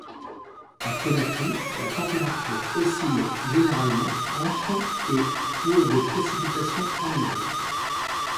À Conakry, la température oscille généralement entre et pour de précipitations annuelles.